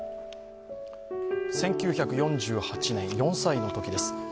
１９４８年、４歳のときです。